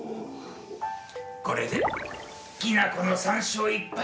これできなこの３勝１敗だ。